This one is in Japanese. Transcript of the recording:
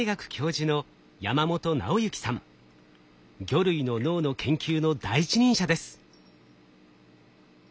魚類の脳の研究の第一人者です。